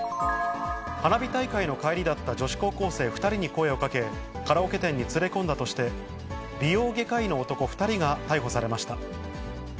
花火大会の帰りだった女子高校生２人に声をかけ、カラオケ店に連れ込んだとして、美容外科医の男２人が逮捕されました。